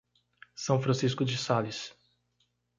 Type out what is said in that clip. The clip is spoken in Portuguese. São Francisco de Sales